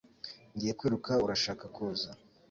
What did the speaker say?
Ngiye kwiruka Urashaka kuza?